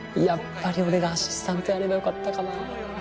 やっぱり俺がアシスタントやればよかったかなあ！